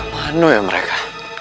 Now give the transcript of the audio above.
mana yang mereka